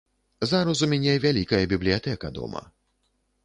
Зараз у мяне вялікая бібліятэка дома.